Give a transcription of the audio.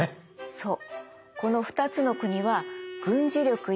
そう。